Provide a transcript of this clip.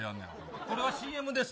これはＣＭです